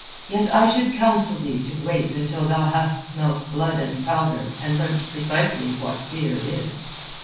Yet I should counsel thee to wait until thou hast smelt blood and powder, and learnt precisely what fear is."